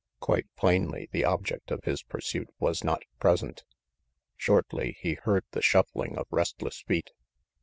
Quite plainly, the object of his pursuit was not present. Shortly he heard the shuffling of restless feet.